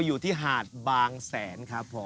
อยู่ที่หาดบางแสนครับผม